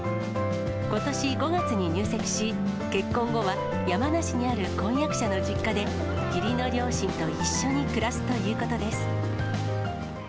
ことし５月に入籍し、結婚後は山梨にある婚約者の実家で、義理の両親と一緒に暮らすということです。